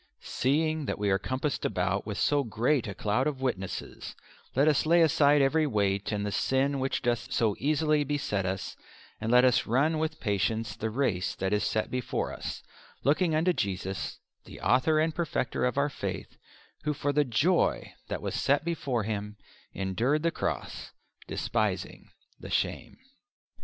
++| "SEEING THEN THAT WE ARE COMPASSED ABOUT WITH SO GREAT A || CLOUD OF WITNESSES, LET US LAY ASIDE EVERY WEIGHT AND THE || SIN WHICH DOTH SO EASILY BESET US, AND LET US RUN WITH PATIENCE || THE RACE THAT IS SET BEFORE US, LOOKING UNTO JESUS, THE AUTHOR || AND PERFECTER OF OUR FAITH, WHO FOR THE JOY THAT WAS SET BEFORE || HIM ENDURED THE CROSS, DESPISING THE SHAME."